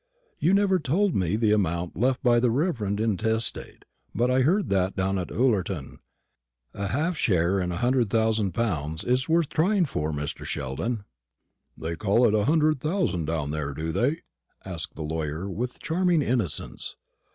"You never told me the amount left by the reverend intestate; but I heard that down at Ullerton. A half share in a hundred thousand pounds is worth trying for, Mr. Sheldon." "They call it a hundred thousand down there, do they?" asked the lawyer, with charming innocence.